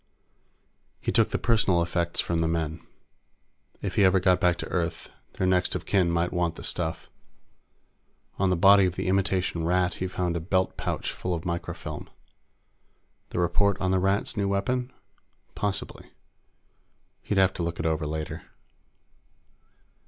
He took the personal effects from the men. If he ever got back to Earth, their next of kin might want the stuff. On the body of the imitation Rat, he found a belt pouch full of microfilm. The report on the Rats' new weapon? Possibly. He'd have to look it over later.